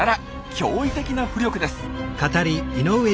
驚異的な浮力です。